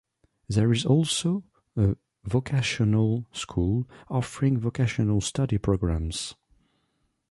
There is also a vocational school offering vocational study programmes.